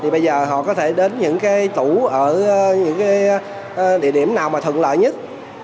bây giờ họ có thể đến những tủ ở những địa điểm nào mà thuận lợi nhất